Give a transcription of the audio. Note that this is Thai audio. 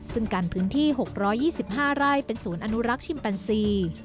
ซึ่งกันพื้นที่๖๒๕ไร่เป็นศูนย์อนุรักษ์ชิมแปนซี